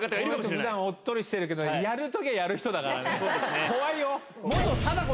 普段おっとりしてるけどやる時はやる人だからね。